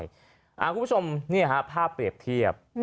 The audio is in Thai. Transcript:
คุณผู้ชมภาพเปรียบเทียบ